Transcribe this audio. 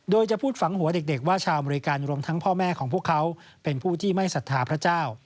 โดยจะพูดฝังหัวเด็กว่าชาวอเมริกันรวมทั้งพ่อแม่ของพวกเขาเป็นผู้ที่ไม่ศรัทธาพระเจ้า